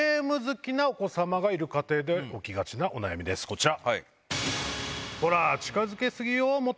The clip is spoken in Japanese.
こちら。